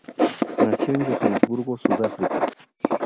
Nació en Johannesburgo, Sudáfrica.